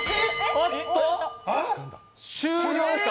おっと、終了ですか？